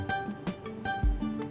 tidak bisa diandalkan